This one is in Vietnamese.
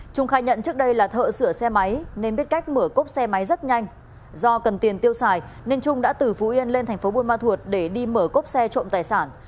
trung khai nhận trước đây là thợ sửa xe máy nên biết cách mở cốp xe máy rất nhanh do cần tiền tiêu xài nên trung đã từ phú yên lên thành phố buôn ma thuột để đi mở cốp xe trộm tài sản